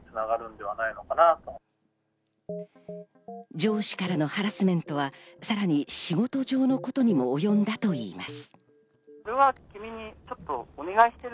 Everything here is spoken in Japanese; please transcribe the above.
上司からのハラスメントはさらに仕事上のことにもおよんだといいます。